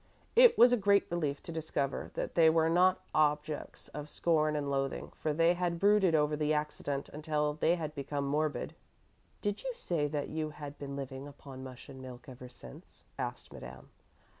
It was a great relief to discover that they were not objects of scorn and loathing, for they had brooded over the accident until they had become morbid. "Did you say that you had been living upon mush and milk ever since?" asked Madame.